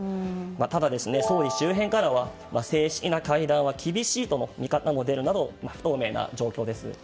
ただ、総理周辺からは正式な会談は厳しいとの見方も出るなど不透明な状況です。